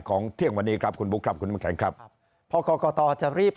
เที่ยงวันนี้ครับคุณบุ๊คครับคุณน้ำแข็งครับพอกรกตจะรีบ